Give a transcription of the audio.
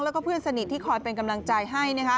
แล้วก็เพื่อนสนิทที่คอยเป็นกำลังใจให้